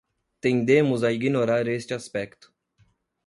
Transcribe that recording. Tendemos a ignorar este aspecto